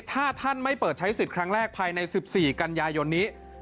ถ้าท่านไม่เปิดใช้สิทธิ์ครั้งแรกภายใน๑๔กันยายนนี้